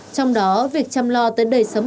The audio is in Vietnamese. trong đó việc chăm lo tới đời sống